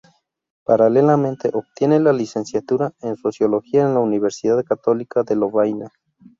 Paralelamente, obtiene la licenciatura en sociología en la Universidad Católica de Lovaina.